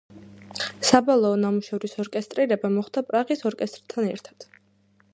საბოლოო ნამუშევრის ორკესტრირება მოხდა პრაღის ორკესტრთან ერთად.